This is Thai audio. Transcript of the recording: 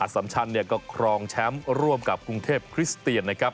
สัมชันก็ครองแชมป์ร่วมกับกรุงเทพคริสเตียนนะครับ